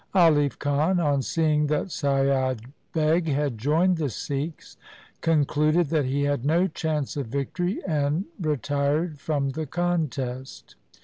Alif Khan, on seeing that Saiyad Beg had joined the Sikhs, concluded that he had no chance of victory, and retired from the contest.